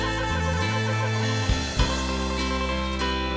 ขอบคุณครับ